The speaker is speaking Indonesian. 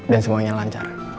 dan semuanya lancar